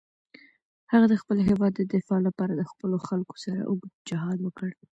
هغه د خپل هېواد د دفاع لپاره د خپلو خلکو سره اوږد جهاد وکړ.